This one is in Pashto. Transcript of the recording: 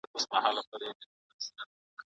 هغه بله یې مرګی له خدایه غواړي